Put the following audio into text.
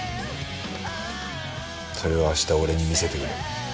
それを明日俺に見せてくれ。